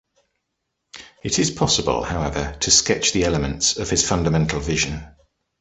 It is possible, however, to sketch the elements of his fundamental vision.